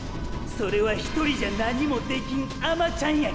それはひとりじゃ何もできん甘ちゃんやからや。